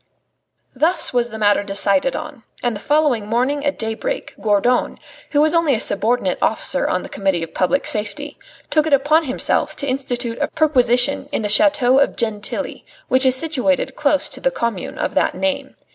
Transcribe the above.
Thus was the matter decided on. And the following morning at daybreak, Gourdon, who was only a subordinate officer on the Committee of Public Safety, took it upon himself to institute a perquisition in the chateau of Gentilly, which is situated close to the commune of that name.